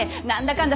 かんだ